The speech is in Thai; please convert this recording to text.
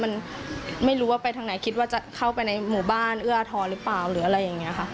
มันไม่รู้ว่าไปทางไหนคิดว่าจะเข้าไปในหมู่บ้านเอื้อทรหรือเปล่าหรืออะไรอย่างนี้ค่ะ